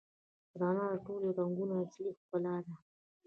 رڼا د ټولو رنګونو اصلي ښکلا ده.